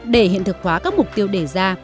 để hiện thực hóa các mục tiêu đề ra